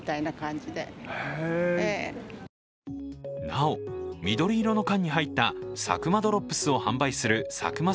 なお、緑色の缶に入ったサクマドロップスを販売するサクマ